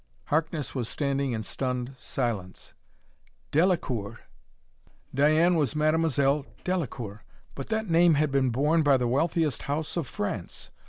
Harkness was standing in stunned silence. "Delacoeur!" Diane was Mademoiselle Delacoeur! But that name had been borne by the wealthiest house of France!